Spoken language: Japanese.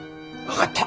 分かった。